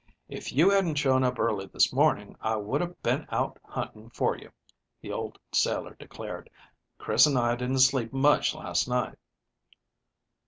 "If you hadn't shown up early this morning I would have been out hunting for you," the old sailor declared. "Chris and I didn't sleep much last night."